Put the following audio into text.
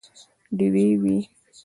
ډیوې وي